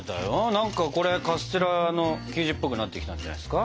何かこれカステラの生地っぽくなってきたんじゃないですか？